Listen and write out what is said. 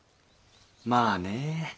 まあね。